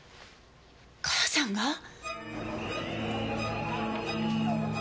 母さんが！？